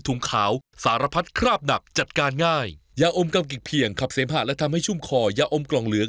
ทำกรรมกิกเพียงขับเสมหาดและทำให้ชุ่มคอยาอมกล่องเหลือง